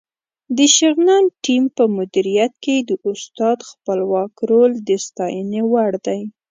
د شغنان ټیم په مدیریت کې د استاد خپلواک رول د ستاینې وړ دی.